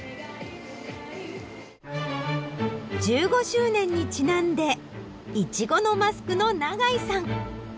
１５周年にちなんでイチゴのマスクの永井さん。